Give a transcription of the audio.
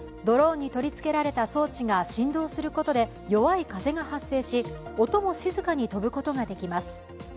ドローンに取り付けられた装置が振動することで弱い風が発生し、音も静かに飛ぶことができます。